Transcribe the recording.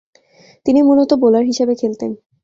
তিনি মূলতঃ বোলার হিসেবে খেলতেন।